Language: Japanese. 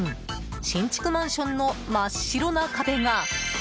新築マンションの真っ白な壁が。